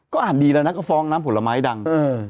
ก็อ่านดีแล้วนะก็ฟ้องน้ำผลไม้ดัง